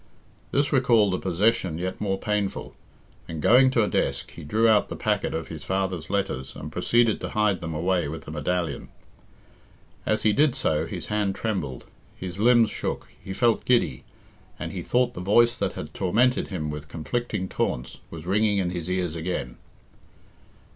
This recalled a possession yet more painful, and going to a desk, he drew out the packet of his father's letters and proceeded to hide them away with the medallion. As he did so his hand trembled, his limbs shook, he felt giddy, and he thought the voice that had tormented him with conflicting taunts was ringing in his ears again.